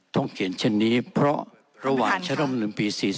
ต้องเขียนเช่นนี้เพราะระหว่างชะละมนุษย์ปี๔๐